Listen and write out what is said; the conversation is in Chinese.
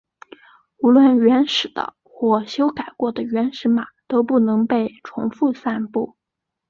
无论原始的或修改过的原始码都不能被重新散布。